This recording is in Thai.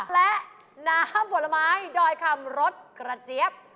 และน้ำผลไม้ดอยคำรสกระเจี๊ยบ